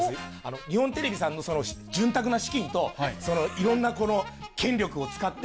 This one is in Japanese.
日本テレビさんの、その潤沢な資金と、いろんな権力を使って。